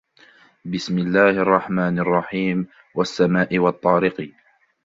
بِسْمِ اللَّهِ الرَّحْمَنِ الرَّحِيمِ وَالسَّمَاءِ وَالطَّارِقِ